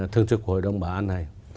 thường trực của hội đồng bảo an này